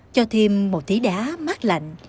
cho thêm một tí đá mát lạnh